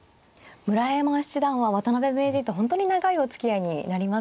村山七段は渡辺名人と本当に長いおつきあいになりますよね。